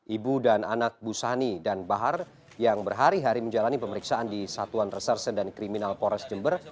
ibu dan anak busani dan bahar yang berhari hari menjalani pemeriksaan di satuan reserse dan kriminal pores jember